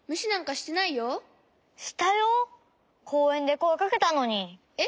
こうえんでこえかけたのに。え？